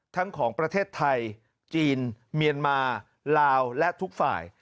ของประเทศไทยจีนเมียนมาลาวและทุกฝ่าย